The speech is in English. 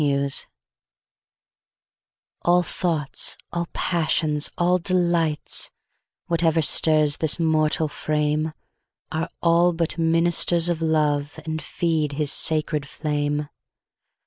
Love ALL thoughts, all passions, all delights, Whatever stirs this mortal frame, All are but ministers of Love, And feed his sacred flame.